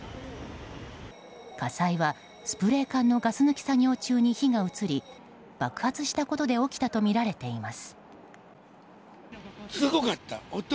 火災は、スプレー缶のガス抜き作業中に火が移り爆発したことで起きたとみられています。